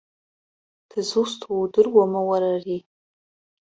Дызусҭоу удыруама уара ари?